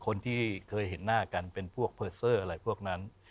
คนที่เคยเห็นหน้ากันเป็นพวกเพอร์เซอร์อะไรพวกนั้น